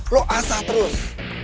lo asa terus